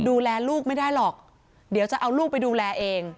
ดูแลลูกไม่ได้หรอกเดี๋ยวจะเอาลูกไปดูแลเอง